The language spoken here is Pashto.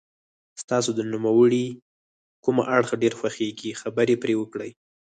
ستاسو د نوموړي کوم اړخ ډېر خوښیږي خبرې پرې وکړئ.